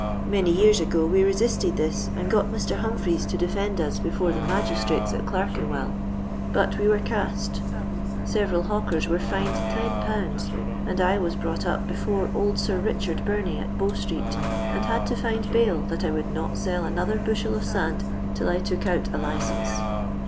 Kany years ago we resisted this, and gwt Mr. Humphreys to defend us before the roagis tfatea at Clenenwell ; but we were ' cast,' several iMwkefa were fined 10/., and I was brought up befiiri old Sir Richard Bimie, at Bow street, and had to find bail that I would not sell another bushel of send till I took out a licence.